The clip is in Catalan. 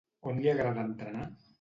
On li agrada entrenar?